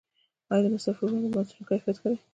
آیا د مسافروړونکو بسونو کیفیت ښه دی؟